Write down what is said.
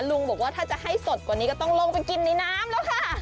ลุงบอกว่าถ้าจะให้สดกว่านี้ก็ต้องลงไปกินในน้ำแล้วค่ะ